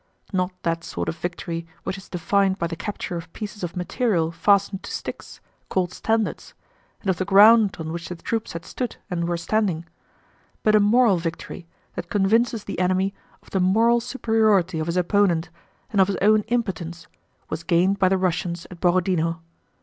Not that sort of victory which is defined by the capture of pieces of material fastened to sticks, called standards, and of the ground on which the troops had stood and were standing, but a moral victory that convinces the enemy of the moral superiority of his opponent and of his own impotence was gained by the Russians at Borodinó.